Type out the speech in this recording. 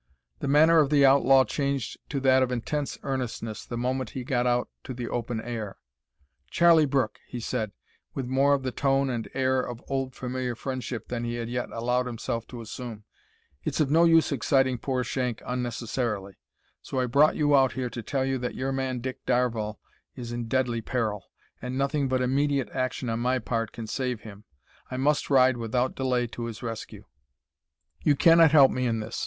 The manner of the outlaw changed to that of intense earnestness the moment he got out to the open air. "Charlie Brooke," he said, with more of the tone and air of old familiar friendship than he had yet allowed himself to assume, "it's of no use exciting poor Shank unnecessarily, so I brought you out here to tell you that your man Dick Darvall is in deadly peril, and nothing but immediate action on my part can save him; I must ride without delay to his rescue. You cannot help me in this.